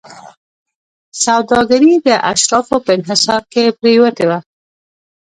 سوداګري د اشرافو په انحصار کې پرېوته.